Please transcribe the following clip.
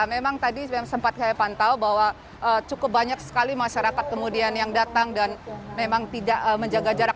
memang tadi sempat saya pantau bahwa cukup banyak sekali masyarakat kemudian yang datang dan memang tidak menjaga jarak